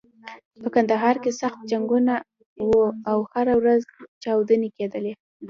په کندهار کې سخت جنګونه و او هره ورځ چاودنې کېدلې.